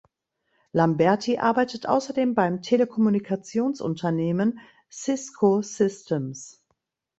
Lamberty arbeitet außerdem beim Telekommunikationsunternehmen Cisco Systems.